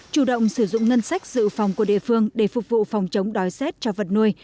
chủ động sử dụng ngân sách dự phòng của địa phương để phục vụ phòng chống đói rét cho vật nuôi